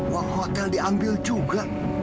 uang hotel diambil juga